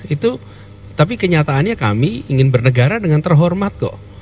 itu tapi kenyataannya kami ingin bernegara dengan terhormat kok